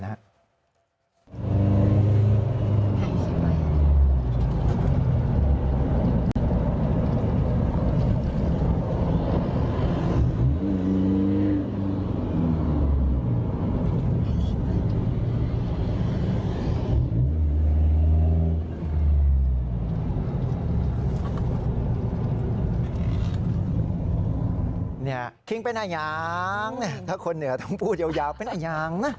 เนี่ยคิงเป็นอะไรยังถ้าคนเหนือต้องพูดยาวเป็นอะไรยังนะ